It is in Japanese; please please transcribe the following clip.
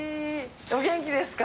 お元気ですか？